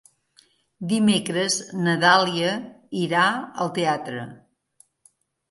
Dimecres na Dàlia irà al teatre.